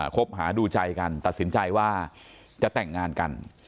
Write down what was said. คบหาดูใจกันตัดสินใจว่าจะแต่งงานกัน